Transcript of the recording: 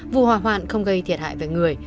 vụ hòa hoạn không gây thiệt hại với người